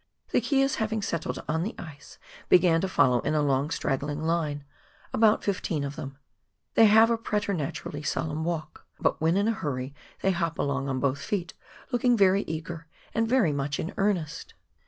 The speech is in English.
The keas having settled on the ice began to follow in a loog straggling line, about fifteen of them. They have a pre ternaturally solemn walk, but when in a hurry they hop along on both feet looking very eager and very much in earnest.